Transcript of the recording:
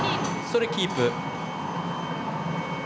それキープ。